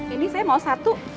ini saya mau satu